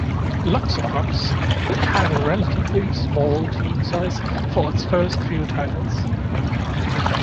Luxoflux had a relatively small team size for its first few titles.